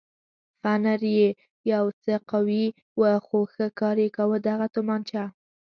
فنر یې یو څه قوي و خو ښه کار یې کاوه، دغه تومانچه.